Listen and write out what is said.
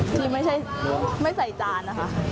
ที่ไม่ใส่จานค่ะ